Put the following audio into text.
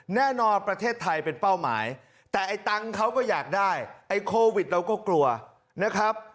ประเทศไทยเป็นเป้าหมายแต่ไอ้ตังค์เขาก็อยากได้ไอ้โควิดเราก็กลัวนะครับ